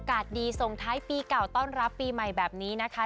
ดีส่งท้ายปีเก่าต้อนรับปีใหม่แบบนี้นะคะ